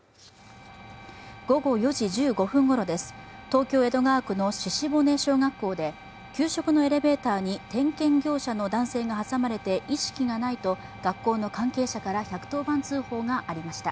午後４時１５分ごろです、東京・江戸川区の鹿骨小学校で、給食のエレベーターに点検業者の男性が挟まれて意識がないと学校の関係者から１１０番通報がありました。